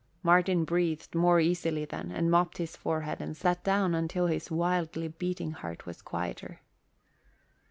Martin breathed more easily then and mopped his forehead and sat down until his wildly beating heart was quieter.